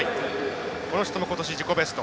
この人もことし自己ベスト。